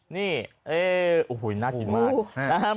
นี่น่ากินมาก